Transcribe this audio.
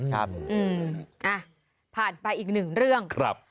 ครับผ่านไปอีกหนึ่งเรื่องครับ